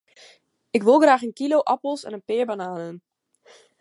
Ik wol graach in kilo apels en in pear bananen.